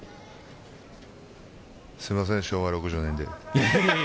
すいません、昭和６０年で。